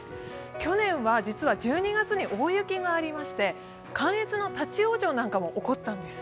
去年は実は１２月に大雪がありまして、関越の立往生なんかも起こったんです。